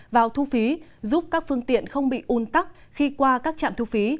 vào thu phí giúp các phương tiện không bị un tắc khi qua các trạm thu phí